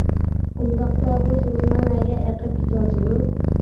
ئۇنداقتا بۇ سېلىنما نەگە ئېقىپ كېتىۋاتىدۇ؟ !